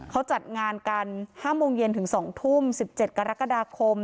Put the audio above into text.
เขาจัดงานกัน๕โมงเย็นถึง๒ทุ่ม๑๗กรกฎาคม